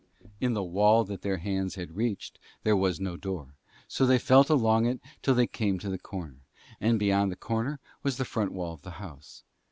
In the wall that their hands had reached there was no door, so they felt along it till they came to the corner, and beyond the corner was the front wall of the house.